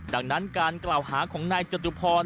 ดังนั้นการกล่าวหาของในจตุภาคม